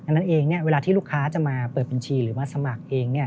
นั้นเองเวลาที่ลูกค้าจะมาเปิดบัญชีหรือมาสมัครเอง